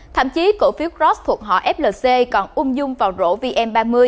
thậm chí cổ phiếu ros thuộc họ flc còn ung dung vào rổ vm ba mươi